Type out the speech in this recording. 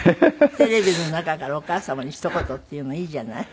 テレビの中からお母様にひと言っていうのいいじゃない？